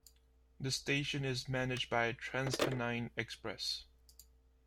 The station is managed by TransPennine Express.